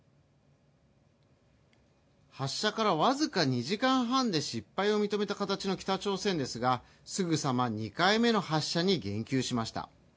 発射からわずか２時間半で失敗を認めた形の北朝鮮ですが、すぐさま２回目の発射に言及しました。